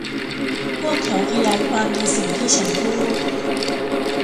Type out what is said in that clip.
พวกเขาขยายความในสิ่งที่ฉันพูด